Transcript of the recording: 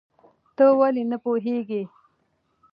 ته ولې نه پوهېږې؟